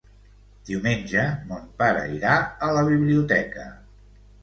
Diumenge mon pare irà a la biblioteca.